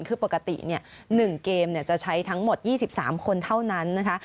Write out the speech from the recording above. คือปกติ๑เกมจะใช้ทั้งหมด๒๓คนเท่านั้นนะคะ